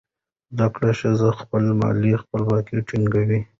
زده کړه ښځه خپله مالي خپلواکي ټینګوي.